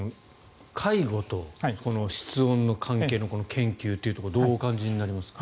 介護と室温の関係のこの研究というところどうお感じになりますか。